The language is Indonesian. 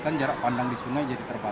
kan jarak pandang di sungai jadi terbatas